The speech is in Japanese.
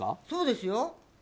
そうですよ。